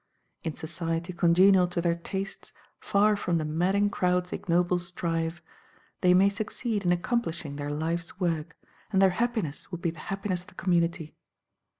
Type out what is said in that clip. In society congenial to their tastes, far from "the madding crowd's ignoble strife," they may succeed in accomplishing their life's work, and their happiness would be the happiness of the community.